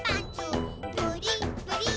「プリップリッ」